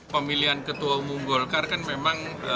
pemilihan ketua umum golkar kan memang